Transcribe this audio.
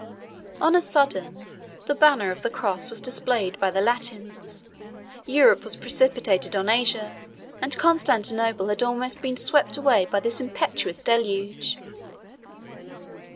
On a sudden, the banner of the Cross was displayed by the Latins; Europe was precipitated on Asia; and Constantinople had almost been swept away by this impetuous deluge.